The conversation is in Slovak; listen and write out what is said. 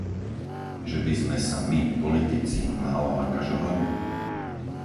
Že by sme sa my, politici, málo angažovali?